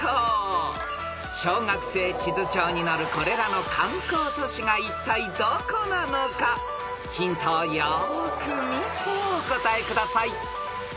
［小学生地図帳に載るこれらの観光都市がいったいどこなのかヒントをよく見てお答えください］